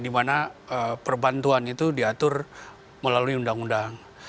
kebantuan itu diatur melalui undang undang